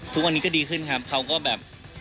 ทุกวันนี้ก็ดีขึ้นครับเขาก็แบบ